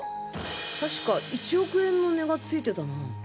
確か１億円の値がついてたな。